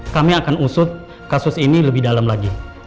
kami akan usut kasus ini lebih dalam lagi